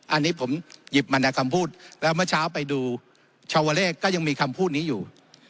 อันนี้ผมหยิบมาในคำพูดแล้วเมื่อเช้าไปดูชาวเลขก็ยังมีคำพูดนี้อยู่